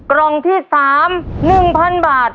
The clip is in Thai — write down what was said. กล่องที่๓๑๐๐๐บาท